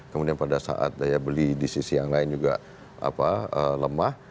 kemudian pada saat daya beli di sisi yang lain juga lemah